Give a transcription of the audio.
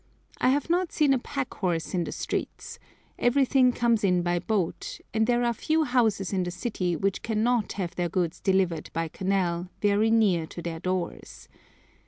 I have not seen a pack horse in the streets; everything comes in by boat, and there are few houses in the city which cannot have their goods delivered by canal very near to their doors.